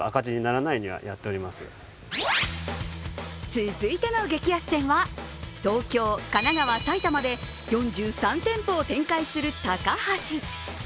続いての激安店は東京、神奈川、埼玉で４３店舗を展開するタカハシ。